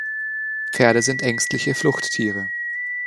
Pferde sind ängstliche Fluchttiere.